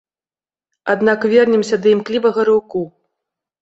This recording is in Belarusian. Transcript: Аднак вернемся да імклівага рыўку.